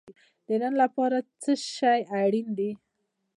د نن لپاره څه شی اړین دی؟